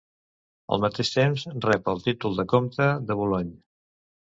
Al mateix temps, rep el títol de comte de Boulogne.